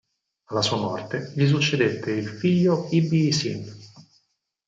Alla sua morte gli succedette il figlio Ibbi-Sin.